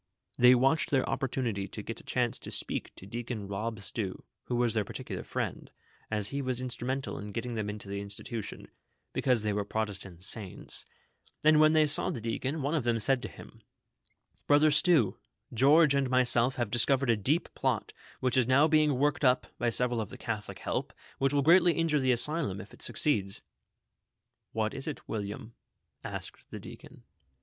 They watched their opportunity to get a chance to speak to Deacon Eob Stew, who was their particular friend, as 94 THE SOCIAL WAR OF 1900 ; OR, he was instrumental in getting them into the institution, because tliey were Protestant saints ; and when tliey saw the deacon, one of them said to him :" Brother Stew, George and myself have discovered a deep plot, which is now being worked up, by several of the Catholic help, which will greatly injure the Asylum, if it succeeds !"" What is it, William ?" asked the deacon.